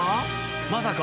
まさか？